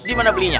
di mana belinya